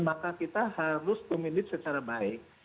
maka kita harus memilih secara baik